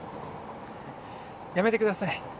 やめてください。